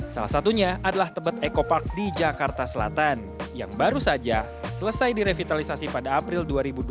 salah satunya adalah tebet eco park di jakarta selatan yang baru saja selesai direvitalisasi pada april dua ribu dua puluh